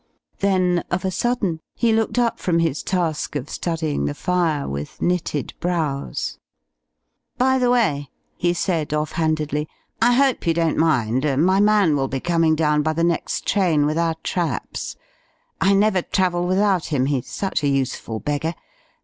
Then of a sudden he looked up from his task of studying the fire with knitted brows. "By the way," he said off handedly, "I hope you don't mind. My man will be coming down by the next train with our traps. I never travel without him, he's such a useful beggar.